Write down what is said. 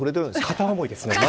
片思いですね。